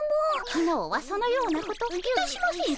きのうはそのようなこといたしませんでした。